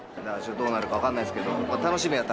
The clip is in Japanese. どうなるか分からないですけど